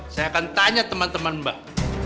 saya akan tanya teman teman mbak